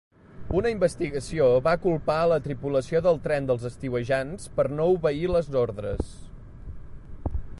Una investigació va culpar a la tripulació del tren dels estiuejants per no obeir les ordres.